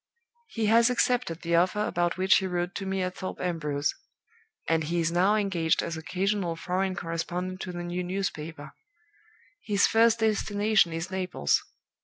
"He has accepted the offer about which he wrote to me at Thorpe Ambrose; and he is now engaged as occasional foreign correspondent to the new newspaper. His first destination is Naples.